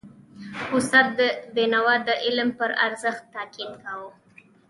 استاد بینوا د علم پر ارزښت تاکید کاوه.